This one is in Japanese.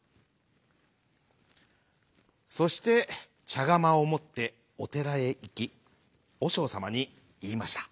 そしてちゃがまをもっておてらへいきおしょうさまにいいました。